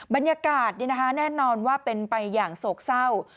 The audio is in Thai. บรรยากาศแน่นอนว่าเป็นไปอย่างโศกเศร้า